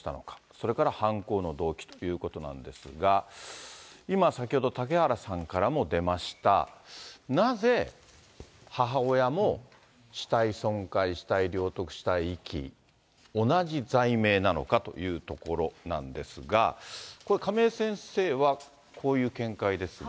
それから犯行の動機ということなんですが、今、先ほど嵩原さんからも出ました、なぜ母親も死体損壊、死体領得、死体遺棄、同じ罪名なのかというところなんですが、これ、亀井先生はこういう見解ですが。